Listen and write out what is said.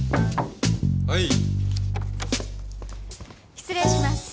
失礼します。